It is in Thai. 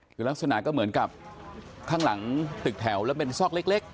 คือลักษณะก็เหมือนกับข้างหลังตึกแถวแล้วเป็นซอกเล็ก